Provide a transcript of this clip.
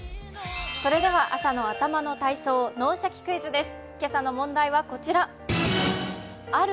それでは朝の頭の体操、「脳シャキ！クイズ」です。